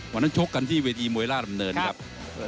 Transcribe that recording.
วันนั้นชกกันที่เวทยีมวยล่าดำเนินครับครับ